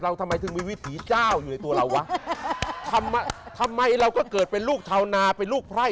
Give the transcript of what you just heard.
ทำไมถึงมีวิถีเจ้าอยู่ในตัวเราวะทำไมทำไมเราก็เกิดเป็นลูกชาวนาเป็นลูกไพร่